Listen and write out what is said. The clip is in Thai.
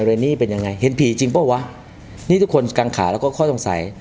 เรนนี่เป็นยังไงเห็นผีจริงเปล่าวะนี่ทุกคนกังขาแล้วก็ข้อสงสัย